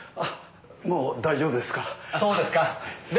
もう大丈夫ですから。